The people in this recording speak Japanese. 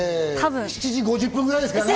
７時５０分ぐらいですかね、